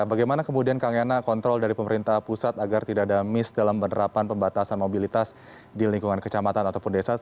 bagaimana kemudian kang yana kontrol dari pemerintah pusat agar tidak ada miss dalam penerapan pembatasan mobilitas di lingkungan kecamatan ataupun desa